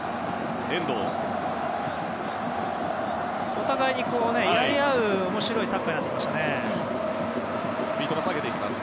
お互いに面白いサッカーになってきましたね。